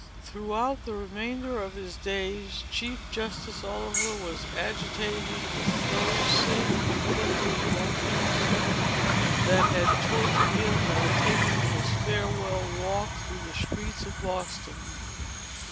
Throughout the remainder of his days, Chief Justice Oliver was agitated with those same conflicting emotions, that had tortured him, while taking his farewell walk through the streets of Boston.